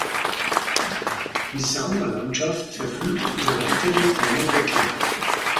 Die Saunalandschaft verfügt über weitere kleine Becken.